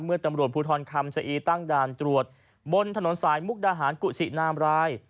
ตำรวจภูทรคำชะอีตั้งด่านตรวจบนถนนสายมุกดาหารกุชินามราย